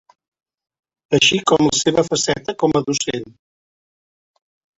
Així com la seva faceta com a docent.